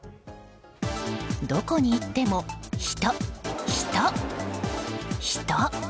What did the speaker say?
どこに行っても人、人、人。